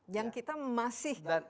yang kita masih